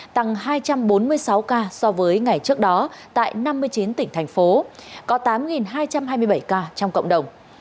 tăng hai trăm bốn mươi sáu ca so với ngày trước đó tại năm mươi chín tỉnh thành phố có tám hai trăm hai mươi bảy ca trong cộng đồng